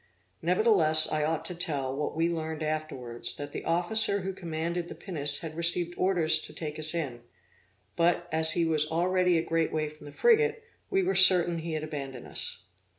Nevertheless I ought to tell, what we learned afterwards, that the officer who commanded the pinnace had received orders to take us in, but, as he was already a great way from the frigate, we were certain he had abandoned us.